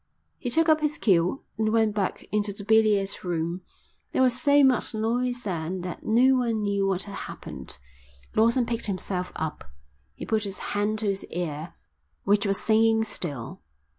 He took up his cue and went back into the billiard room. There was so much noise there that no one knew what had happened. Lawson picked himself up. He put his hand to his ear, which was singing still.